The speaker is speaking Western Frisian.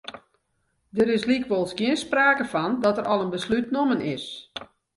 Der is lykwols gjin sprake fan dat der al in beslút nommen is.